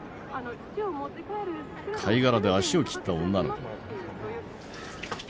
貝殻で足を切った女の子。